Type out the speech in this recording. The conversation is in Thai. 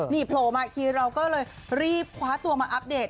นี่โผล่มาอีกทีเราก็เลยรีบคว้าตัวมาอัปเดต